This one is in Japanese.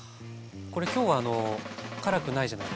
これ今日は辛くないじゃないですか。